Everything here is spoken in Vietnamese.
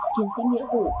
chiến sĩ nghĩa vụ